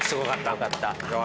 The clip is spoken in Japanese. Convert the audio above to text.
よかった。